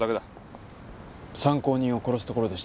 参考人を殺すところでした。